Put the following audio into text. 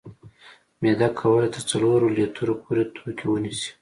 معده کولی شي تر څلورو لیترو پورې توکي ونیسي.